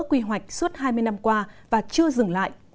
quy hoạch suốt hai mươi năm qua và chưa dừng lại